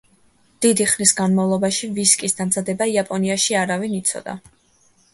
დიდი ხნის განმავლობაში ვისკის დამზადება იაპონიაში არავინ იცოდა.